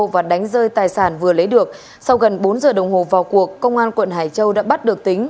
và đánh rơi tài sản vừa lấy được sau gần bốn giờ đồng hồ vào cuộc công an quận hải châu đã bắt được tính